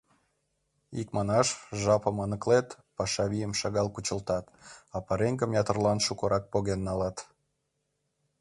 Икманаш, жапым аныклет, паша вийым шагал кучылтат, а пареҥгым ятырлан шукырак поген налат.